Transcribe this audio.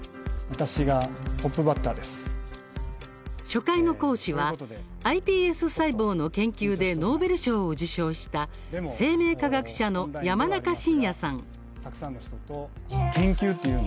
初回の講師はｉＰＳ細胞の研究でノーベル賞を受賞した生命科学者の山中伸弥さん。